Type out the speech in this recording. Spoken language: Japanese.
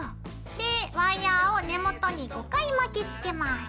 でワイヤーを根元に５回巻きつけます。